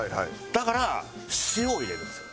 だから塩を入れるんですよね。